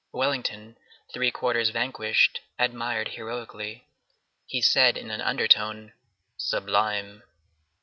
Wellington, three quarters vanquished, admired heroically. He said in an undertone, "Sublime!"